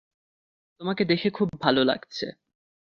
তোমাকে দেখে খুব ভালো লাগছে।